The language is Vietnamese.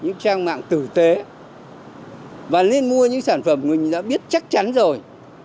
những trang mạng tử tế và nên mua những sản phẩm mình đã biết chắc chắn rồi